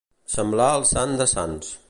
Semblar el sant de Sants.